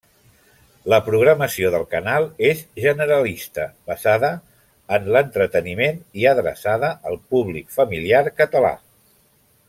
La programació del canal és generalista basada en l'entreteniment i adreçada al públic familiar català.